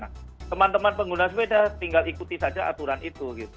nah teman teman pengguna sepeda tinggal ikuti saja aturan itu